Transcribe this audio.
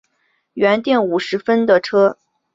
原订五十分的车